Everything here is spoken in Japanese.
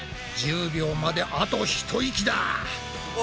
１０秒まであと一息だ！